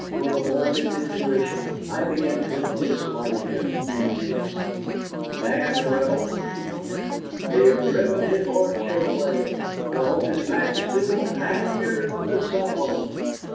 With a boy's intuition, I began to dislike him intensely. "Damn the Rebels!" he began. "They've driven his Lordship away. I hope his Majesty will hang every mother's son of 'em.